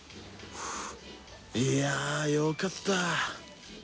いやよかった！